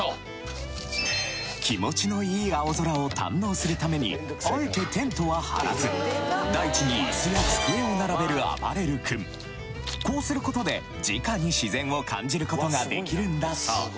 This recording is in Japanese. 気持ちのいい青空を堪能するためにあえてテントは張らず大地にイスや机を並べるあばれる君こうすることで直に自然を感じることが出来るんだそう